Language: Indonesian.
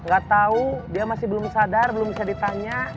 gatau dia masih belum sadar belum bisa ditanya